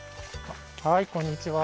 はいこんにちは。